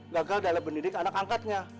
gagal dalam pendidik anak angkatnya